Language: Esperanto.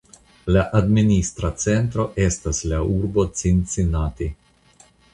La administra centro estas la urbo Cincinnati.